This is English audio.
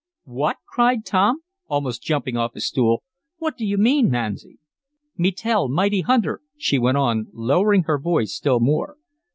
"What!" cried Tom, almost jumping off his stool. "What do you mean, Masni?" "Me tell mighty hunter," she went on, lowering her voice still more.